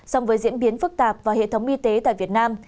song với diễn biến phức tạp và hệ thống y tế tại việt nam